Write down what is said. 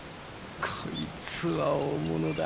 こいつは大物だ。